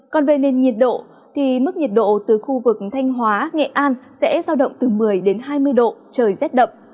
còn về nền nhiệt độ thì mức nhiệt độ từ khu vực thanh hóa nghệ an sẽ giao động từ một mươi hai mươi độ trời rét đậm